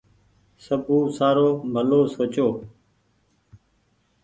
سبو سآرو ڀلو سوچو۔